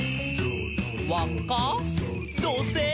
「わっか？どせい！」